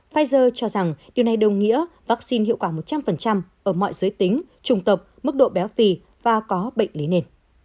pfizer cho rằng điều này đồng nghĩa vaccine hiệu quả một trăm linh ở mọi giới tính trùng tộc mức độ béo phì và có bệnh lý nền